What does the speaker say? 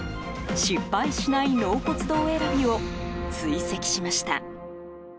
失敗しない納骨堂選びを追跡しました。